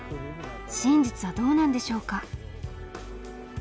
真実はどうなんでしょうか。